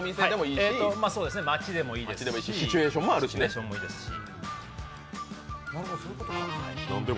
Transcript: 街でもいいですしシチュエーションもいいですし。